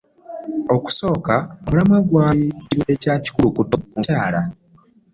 Okusooka, omulamwa gwali ku kirwadde kya Kikulukuto mu bakyala